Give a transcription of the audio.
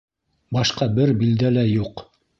Башҡа бер билдә лә юҡ.